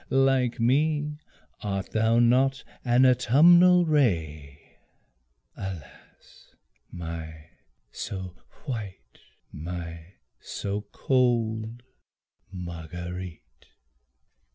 Like me, art thou not an autumnal ray, Alas my so white, my so cold Marguerite!